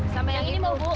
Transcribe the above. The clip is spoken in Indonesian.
sama yang ini mau bu